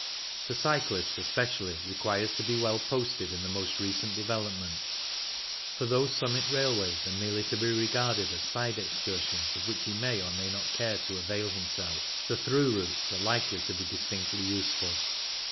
The cyclist especially requires to be well posted in the most recent developments, for though summit railways are merely to be regarded as side ex cursions of which he may or may not care to avail himself, the through routes are likely to be distinctly useful.